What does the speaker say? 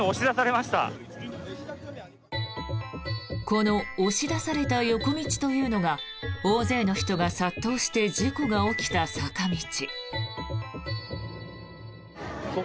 この押し出された横道というのが大勢の人が殺到して事故が起きた坂道。